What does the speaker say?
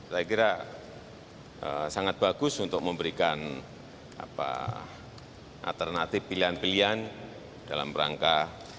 saya kira sangat bagus untuk memberikan alternatif pilihan pilihan dalam rangka